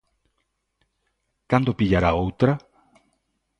Cando pillará outra?